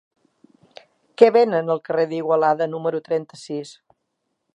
Què venen al carrer d'Igualada número trenta-sis?